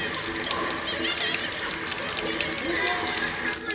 さすがだねかっこいい！